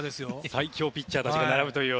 最強ピッチャーたちが並ぶという。